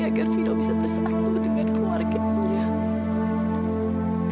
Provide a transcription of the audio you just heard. agar vino bisa bersatu dengan keluarganya